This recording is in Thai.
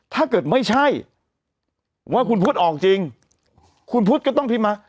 ถ้าเกิดไม่ใช่ว่าคุณพุทธออกจริงคุณพุทธก็ต้องพิมพ์มา